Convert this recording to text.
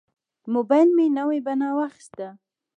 موبایل مې نوې بڼه واخیسته.